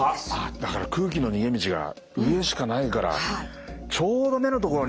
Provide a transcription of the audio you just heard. だから空気の逃げ道が上にしかないからちょうど目の所に。